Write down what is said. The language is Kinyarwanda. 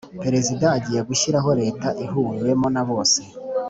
perezida agiye gushyiraho leta ihuriwemo na bose